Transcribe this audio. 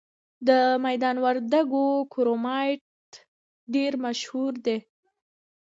د میدان وردګو کرومایټ ډیر مشهور دی.